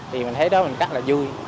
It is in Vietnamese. thì mình thấy đó mình rất là vui